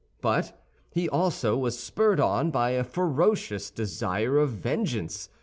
But he also was spurred on by a ferocious desire of vengeance.